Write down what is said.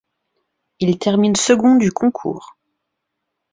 Il termine second du concours.